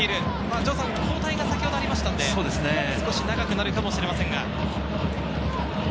城さん、交代が先ほどありましたので、少し長くなるかもしれません。